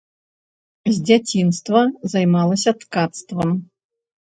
З дзяцінства займалася ткацтвам.